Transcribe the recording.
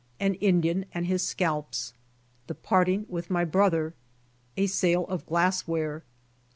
AN INDIAN AND HIS SCALPS. — THE PART ING WITH MY BROTHER. — A SALE OF GLASSWARE.